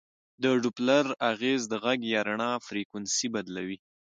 د ډوپلر اغېز د غږ یا رڼا فریکونسي بدلوي.